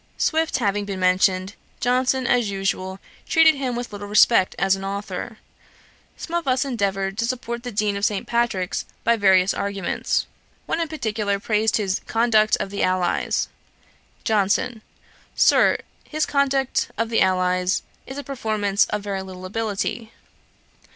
Swift having been mentioned, Johnson, as usual, treated him with little respect as an authour. Some of us endeavoured to support the Dean of St. Patrick's by various arguments. One in particular praised his Conduct of the Allies. JOHNSON. 'Sir, his Conduct of the Allies is a performance of very little ability.'